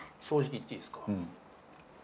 正直言っていいすか？